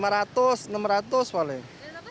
ya dapat sistemnya setoran kan